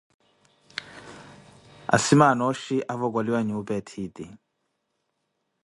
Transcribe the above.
Asimaana ooxhi avokoliwa nyuupa ethiiti.